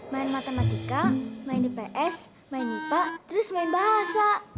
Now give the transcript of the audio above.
main matematika main ips main ipa terus main bahasa